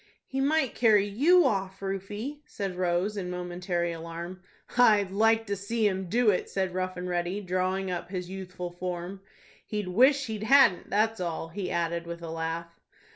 "He might carry you off, Rufie," said Rose, in momentary alarm. "I'd like to see him do it," said Rough and Ready, drawing up his youthful form. "He'd wish he hadn't, that's all," he added, with a laugh.